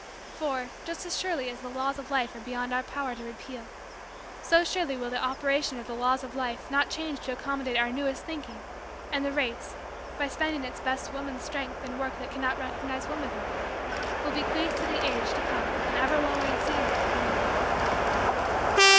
For, just as surely as the laws of life are beyond our power to repeal, so surely will the operation of the laws of life not change to accommodate our newest thinking and the race, by spending its best woman strength in work that cannot recognize womanhood, will bequeath to the ages to come an ever lowering standard of human life.